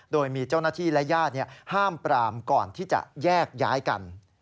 โดยมีเจ้าหน้าที่และญาติห้ามปรามก่อนที่จะแยกย้ายกัน